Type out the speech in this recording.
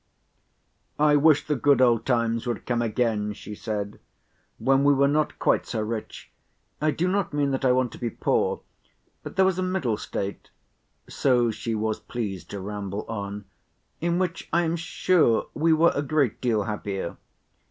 "I wish the good old times would come again," she said, "when we were not quite so rich. I do not mean, that I want to be poor; but there was a middle state;"—so she was pleased to ramble on,—"in which I am sure we were a great deal happier.